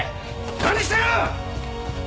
・何してる！